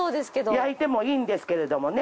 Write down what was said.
焼いてもいいんですけれどもね。